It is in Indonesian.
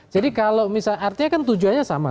kalau misalnya artinya kan tujuannya sama